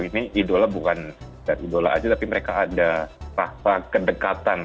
ini idola bukan dari idola aja tapi mereka ada rasa kedekatan